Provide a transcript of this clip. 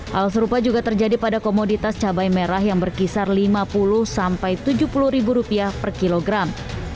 hal serupa juga terjadi pada komoditas cabai merah yang berkisar lima puluh sampai rp tujuh puluh ribu rupiah per kilogram